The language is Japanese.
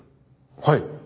はい。